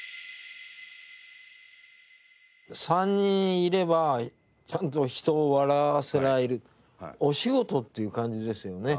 ３人いればちゃんと人を笑わせられるお仕事っていう感じですよね